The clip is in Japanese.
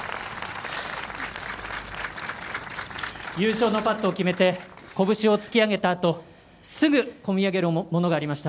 優勝のパットを決めてこぶしを突き上げたあとすぐ込み上げるものがありました。